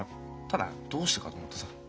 ただどうしてかと思ってさ。